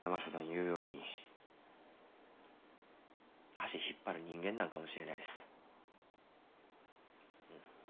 言うように足引っ張る人間なんかもしれないです。